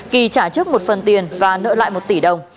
kỳ trả trước một phần tiền và nợ lại một tỷ đồng